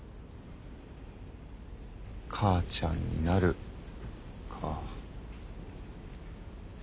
母ちゃんになるか。